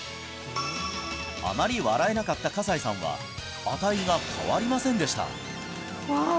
あまり笑えなかった葛西さんは値が変わりませんでしたわあ